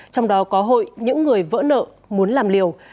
trong đó có hội những người vỡ nợ muốn làm liều